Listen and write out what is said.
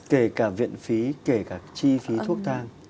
kể cả viện phí kể cả chi phí thuốc thang